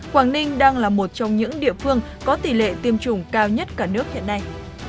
quảng ninh đang là một trong những địa phương có tỷ lệ tiêm chủng cao nhất cả nước hiện nay